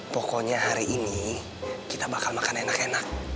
pokoknya hari ini kita bakal makan enak enak